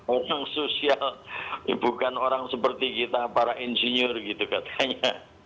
orang sosial bukan orang seperti kita para insinyur gitu katanya